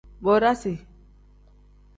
Bodasi.